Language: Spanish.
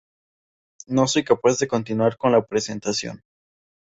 No soy capaz de continuar con la presentación".